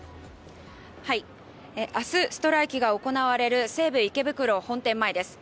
明日、ストライキが行われる西武池袋本店前です。